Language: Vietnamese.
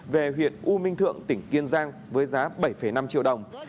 về huyện u minh thượng tỉnh kiên giang với giá bảy năm triệu đồng